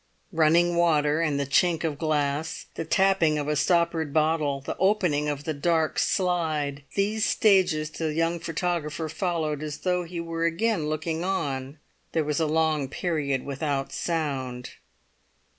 Running water, and the chink of glass; the tapping of a stoppered bottle; the opening of the dark slide; these stages the younger photographer followed as though he were again looking on. Then there was a long period without a sound.